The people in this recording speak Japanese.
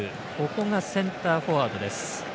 ここがセンターフォワードです。